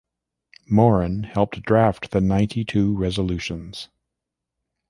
Morin helped draft the Ninety-Two Resolutions.